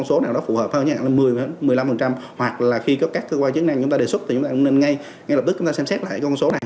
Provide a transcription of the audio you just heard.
như thế nào là một mươi một mươi năm hoặc là khi có các chức năng chúng ta đề xuất thì chúng ta cũng nên ngay lập tức xem xét lại con số này